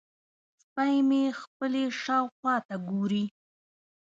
سپی مې خپلې شاوخوا ته ګوري.